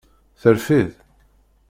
Terfiḍ?